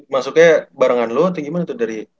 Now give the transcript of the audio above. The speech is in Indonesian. maksudnya barengan lu atau gimana tuh dari